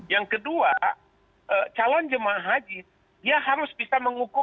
yang kedua calon jemaah haji dia harus bisa mengukur